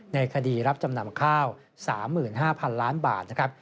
ในคดีรับจำนำข้าว๓๕๐๐๐ล้านบาทนะครับ